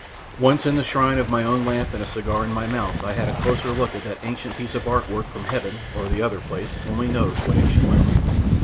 Once in the shine of my own lamp and a cigar in my mouth I had a closer look at that ancient piece of art work from heaven, or the other place, only knows what ancient loom.